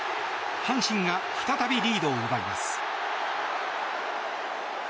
阪神が再びリードを奪います。